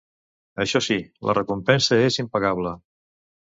Això sí, la recompensa és impagable.